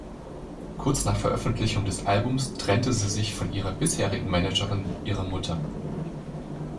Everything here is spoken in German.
Kurz nach Veröffentlichung des Albums trennte sie sich von ihrer bisherigen Managerin, ihrer Mutter.